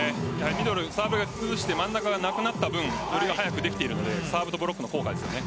ミドルサーブで崩して真ん中がなくなった分寄りができているのでサーブの効果ですよね。